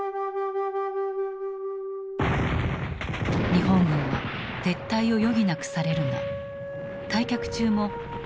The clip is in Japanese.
日本軍は撤退を余儀なくされるが退却中も飢えと病に襲われる。